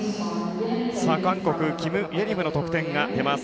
韓国、キム・イェリムの得点が出ます。